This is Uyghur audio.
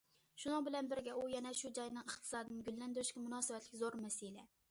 شۇنىڭ بىلەن بىرگە ئۇ يەنە شۇ جاينىڭ ئىقتىسادىنى گۈللەندۈرۈشكە مۇناسىۋەتلىك زور مەسىلە.